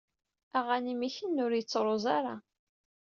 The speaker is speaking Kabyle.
Aɣanim ikennu ur yettruẓ ara.